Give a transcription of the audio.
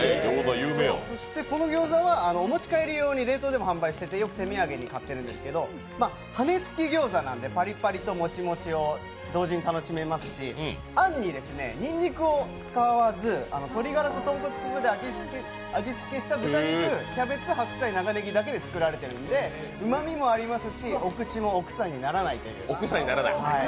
そしてこの餃子はお持ち帰り用に冷凍でも販売していて、よく手土産に買っているんですけど羽根つき餃子なんでパリパリとモチモチを同時に楽しめますしあんににんにくを使わず、鶏がらと豚骨スープで味付けしたキャベツ、白菜、長ねぎだけで作られていてうまみもありますし、お口もお臭にならないという。